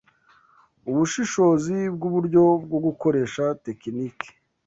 ubushishozi bwuburyo bwo gukoresha tekinike